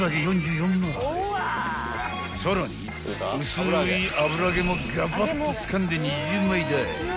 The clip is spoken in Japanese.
［さらに薄いあぶら揚げもガバッとつかんで２０枚だい］